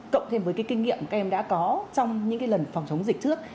cộng thêm với cái kinh nghiệm các em đã có trong những lần phòng chống dịch trước